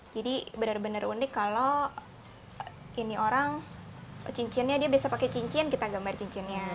jadi bener bener unik kalau ini orang cincinnya dia bisa pakai cincin kita gambar cincinnya